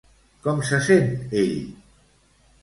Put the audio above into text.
Com se sent ell?